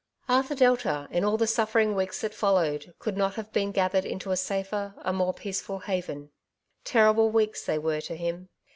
Arthur Delta, in all the suflTering weeks that fol lowed, could not have been gathered into a safer, a more peaceful haven. Terrible weeks they were to him.